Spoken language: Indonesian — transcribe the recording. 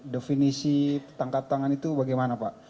definisi tangkap tangan itu bagaimana pak